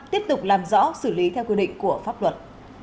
tiếp tục làm rõ xử lý theo quy định của pháp luật